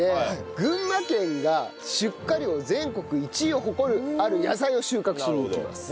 群馬県が出荷量全国１位を誇るある野菜を収穫しに行きます。